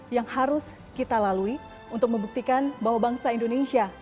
yang harus kita lalui untuk membuktikan bahwa bangsa indonesia